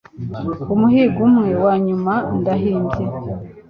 umuhigo umwe wanyuma ndahimbye